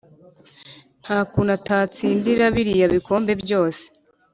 ntakunu atatsindira biriya bikombe byose